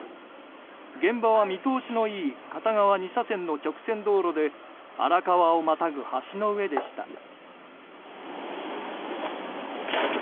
現場は見通しのいい片側２車線の直線道路で荒川をまたぐ橋の上でした。